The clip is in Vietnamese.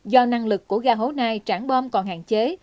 do năng lực của ga hố nai trảng bom còn hạn chế